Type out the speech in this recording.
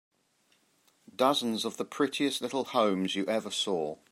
Dozens of the prettiest little homes you ever saw.